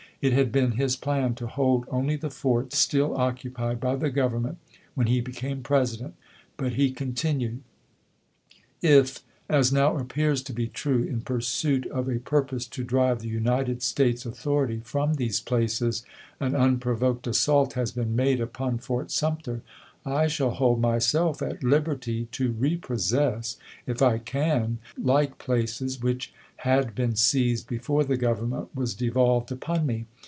It had been his plan to hold only the forts still occupied by the Government when he became Pres ident. But, he continued : If, as now appears to be true, in pursuit of a purpose to drive the United States authority from these places an unprovoked assault has been made upon Fort Sumter, I shall hold myself at hberty to repossess, if I can, like places which had been seized before the Goverument was devolved upon me.